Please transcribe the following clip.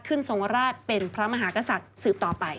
ทรงราชเป็นพระมหากษัตริย์สืบต่อไป